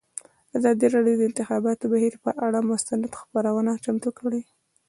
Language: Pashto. ازادي راډیو د د انتخاباتو بهیر پر اړه مستند خپرونه چمتو کړې.